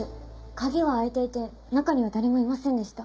鍵は開いていて中には誰もいませんでした。